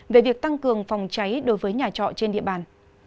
về việc tăng cường phòng cháy đối với nhà trọ trên địa bàn